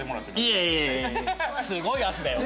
いやいやいやいやすごい汗だよ。